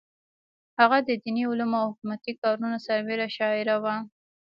هغه د دیني علومو او حکومتي کارونو سربېره شاعره وه.